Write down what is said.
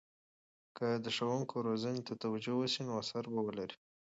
که د ښوونکو روزنې ته توجه وسي، نو اثر به ولري.